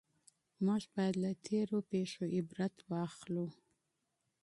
موږ بايد له تېرو پېښو عبرت واخلو.